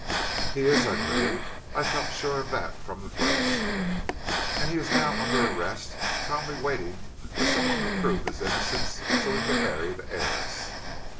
"He is," I agreed. "I felt sure of that from the first." "And he is now under arrest, calmly waiting for some one to prove his innocence, so he can marry the heiress."